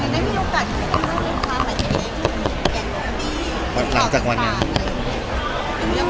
เดี๋ยวได้มีโอกาสนำความหมายใจที่แก่งกราวนี้